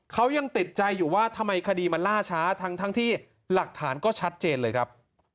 เขายังติดใจอยู่ว่าทำไมคดีมันล่าช้าทั้งที่หลักฐานก็ชัดเจนเลยครับ